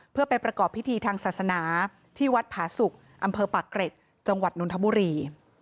เพื่อไปประกอบพิธีทางศาสนาที่วัดผาสุกอำเภอปากเกร็ดจังหวัดนนทบุรี